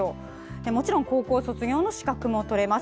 もちろん高校卒業の資格も取れます。